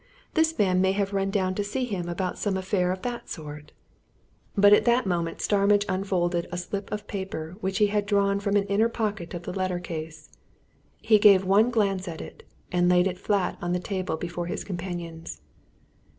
This man may have run down to see him about some affair of that sort." But at that moment Starmidge unfolded a slip of paper which he had drawn from an inner pocket of the letter case. He gave one glance at it, and laid it flat on the table before his companions.